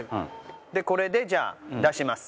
これでじゃあ出します。